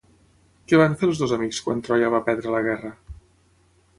Què van fer els dos amics quan Troia va perdre la guerra?